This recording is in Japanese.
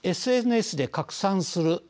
ＳＮＳで拡散する